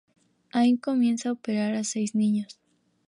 Anne comienza a operar a seis niños.